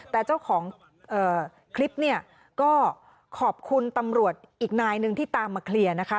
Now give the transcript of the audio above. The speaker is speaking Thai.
แต่เจ้าของคลิปเนี่ยก็ขอบคุณตำรวจอีกนายหนึ่งที่ตามมาเคลียร์นะคะ